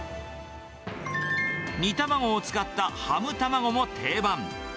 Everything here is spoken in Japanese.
煮卵を使ったハムたまごも定番。